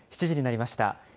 ７時になりました。